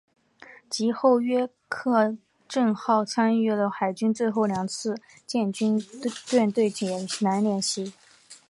及后约克镇号参与了海军最后两次的舰队解难演习。